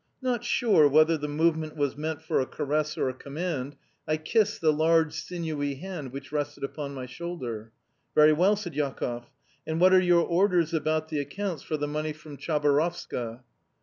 Not sure whether the movement was meant for a caress or a command, I kissed the large, sinewy hand which rested upon my shoulder. "Very well," said Jakoff. "And what are your orders about the accounts for the money from Chabarovska?"